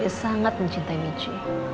dia sangat mencintai michi